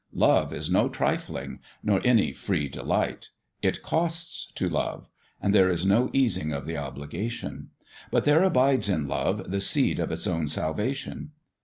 Love is no trifling, nor any free delight : it costs to love, and there is no easing of the obligation ; but there abides in love the seed of its own salvation.